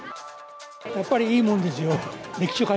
やっぱりいいもんですよ。